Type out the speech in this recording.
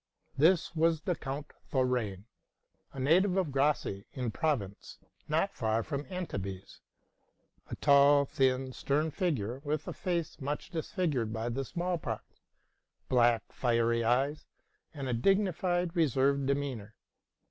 This was the Count Thorane, a native of Grasse in Provence, not far from Antibes: a tall, thin, stern figure, with a face much disfigured by the small pox ; black, fiery eyes; and a dignified, "reserved demeanor.